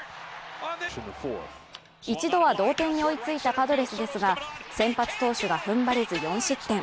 一度は同点に追いついたパドレスですが、先発投手が踏ん張れず４失点。